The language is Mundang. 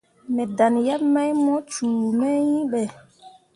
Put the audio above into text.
Me dan yeb mai mu cume iŋ be.